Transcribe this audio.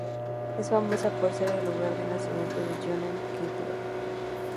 Es famosa por ser el lugar de nacimiento de Johannes Kepler.